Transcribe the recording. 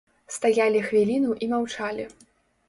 Стаялі хвіліну і маўчалі.